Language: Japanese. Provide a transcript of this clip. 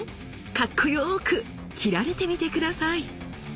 かっこよく斬られてみて下さい。